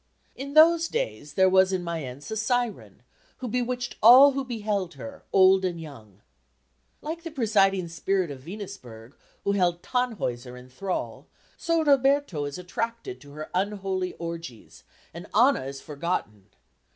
"In those days there was in Mayence a siren, who bewitched all who beheld her, old and young." Like the presiding spirit of the Venusberg who held Tannhäuser in thrall, so Roberto is attracted to her unholy orgies and Anna is forgotten.